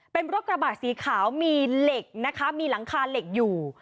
เป็นรถกระบะสีขาวมีเหล็กนะคะมีหลังคาเหล็กอยู่